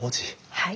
はい。